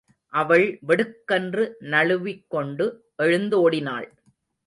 அவள் வெடுக்கென்று நழுவிக் கொண்டு எழுந்தோடினாள்.